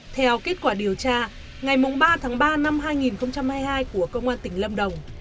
theo kết quả điều tra ngày ba tháng ba năm hai nghìn hai mươi hai của công an tỉnh lâm đồng